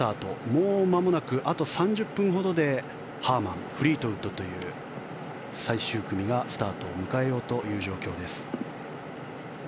もうまもなくあと３０分ほどでハーマン、フリートウッドという最終組がスタートを迎えようという状況です。